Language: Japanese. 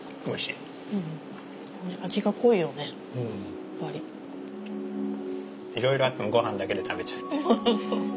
いろいろあってもご飯だけで食べちゃうっていう。